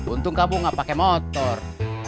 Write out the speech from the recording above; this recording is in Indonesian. untung kamu nggak pakai motor